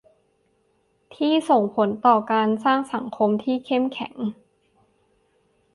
ที่ส่งผลต่อการสร้างสังคมที่เข้มแข็ง